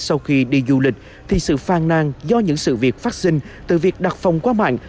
sau khi đi du lịch thì sự phàn nàng do những sự việc phát sinh từ việc đặt phòng qua mạng